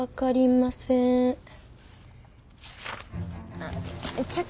あっ。